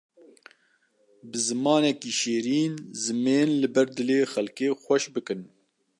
Bi zimanekî şêrîn zimên li ber dilê xelkê xweş bikin.